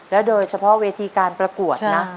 โดยเฉพาะเวทีการประกวดนะ